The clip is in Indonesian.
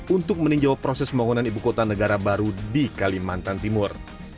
untuk meninjau proses pembangunan ibu kota negara baru di kalimantan timur